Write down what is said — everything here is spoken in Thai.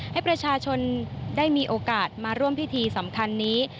ให้ประชาชนได้มีโอกาสมาร่วมพิธีสำคัญนี้